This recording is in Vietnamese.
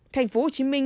thành phố hồ chí minh